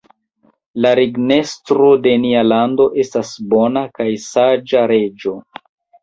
La regnestro de nia lando estas bona kaj saĝa reĝo.